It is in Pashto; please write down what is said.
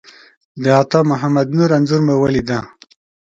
د عطامحمد نور انځور مو ولیده.